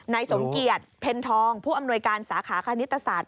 นายสมเกียจเพ็ญทองผู้อำนวยการสาขาคณิตศาสต